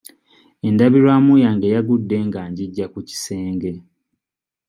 Endabirwamu yange yagudde nga ngiggya ku kisenge.